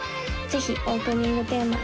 ぜひオープニングテーマ